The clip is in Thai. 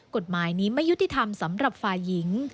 กฎหมายนี้ไม่ยุติธรรมสำหรับฝ่ายหญิง